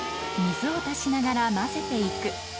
水を足しながら混ぜていく。